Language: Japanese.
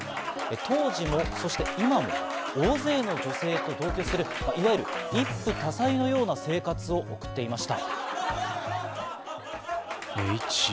当時も、そして今も大勢の女性と同居する、いわゆる一夫多妻のような生活を送っていました。